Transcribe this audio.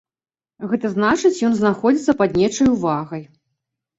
Гэта значыць ён знаходзіцца пад нечай увагай.